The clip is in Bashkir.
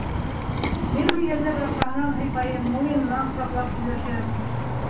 Мин уны йәлләп арҡаһынан һыйпайым, муйынынан ҡосаҡлап һөйләшәм.